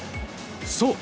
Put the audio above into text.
そう。